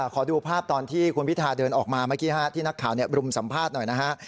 ขอดูภาพตอนที่คุณพิธาเดินออกมาเมื่อกี้ที่นักข่าวรุมสัมภาษณ์หน่อยนะฮะ